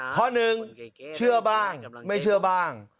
ข้อหนึ่งเชื่อบ้างไม่เชื่อบ้าง